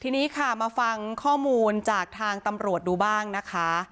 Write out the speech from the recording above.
ทีนี้ค่ะมาฟังข้อมูลจากทางตำรวจดูบ้างนะคะ